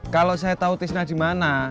kalau saya tahu tisna dimana